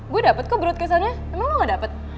gue dapet kok broadcast annya emang lo gak dapet